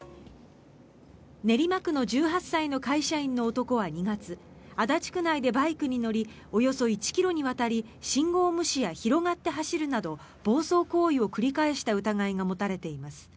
練馬区の１８歳の会社員の男は２月足立区内でバイクに乗りおよそ１ｋｍにわたり信号無視や広がって走るなど暴走行為を繰り返した疑いが持たれています。